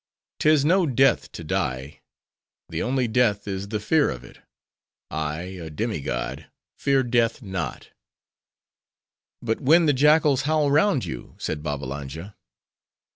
'Tis no death, to die; the only death is the fear of it. I, a demi god, fear death not." "But when the jackals howl round you?" said Babbalanja.